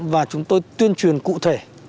và chúng tôi tuyên truyền cụ thể